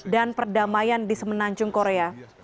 dan perdamaian di semenanjung korea